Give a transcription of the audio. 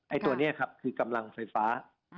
ตัวนี้ครับคือกำลังไฟฟ้า